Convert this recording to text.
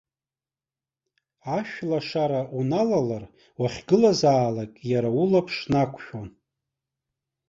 Ашәлашара уналалар, уахьгылазаалак, иара улаԥш нақәшәон.